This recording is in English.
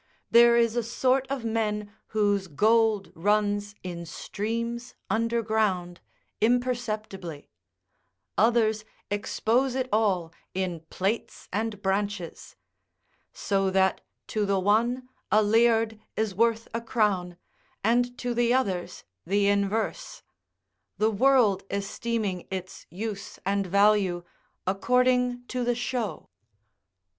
There is a sort of men whose gold runs in streams underground imperceptibly; others expose it all in plates and branches; so that to the one a liard is worth a crown, and to the others the inverse: the world esteeming its use and value, according to the show.